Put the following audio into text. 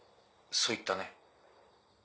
そう言ったね？